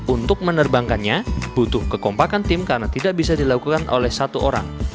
untuk menerbangkannya butuh kekompakan tim karena tidak bisa dilakukan oleh satu orang